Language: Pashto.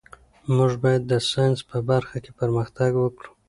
موږ باید د ساینس په برخه کې پرمختګ وکړو.